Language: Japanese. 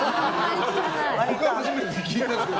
僕は初めて聞きましたけど。